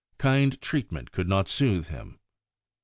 Kind treatment could not soothe him.